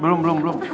belum belum belum